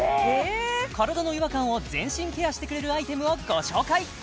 体の違和感を全身ケアしてくれるアイテムをご紹介